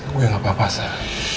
gue gak apa apa saya